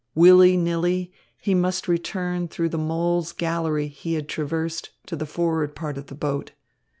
Willy nilly, he must return through the mole's gallery he had traversed to the forward part of the boat.